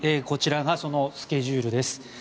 こちらがそのスケジュールです。